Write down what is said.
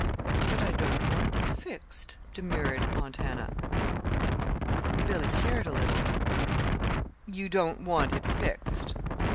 "But I don't want it fixed," demurred Aunt Hannah. Billy stared a little. "You don't want it fixed!